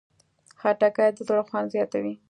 خټکی د زړه خوند زیاتوي.